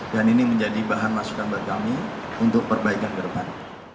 dan ini menjadi bahan masukan bagi kami untuk perbaikan ke depan